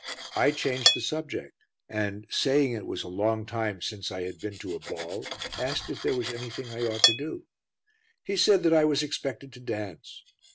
I changed the subject and, saying it was a long time since I had been to a ball, asked if there was anything I ought to do. He said that I was expected to dance.